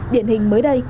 điển hình mới đây